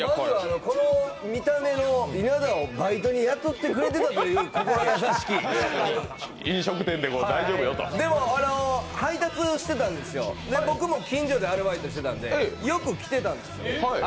この見た目の稲田をバイトに雇ってくれてたという心優しきでも、配達してたんですよ、僕も近所でアルバイトしてたんでよく来てたんですよ。